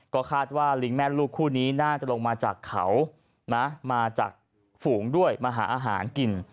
ก็คาดว่าลิงแม่ลูกคู่นี้น่าจะลงมาจากเขานะมาจากฝูงด้วยมาหาอาหารกิน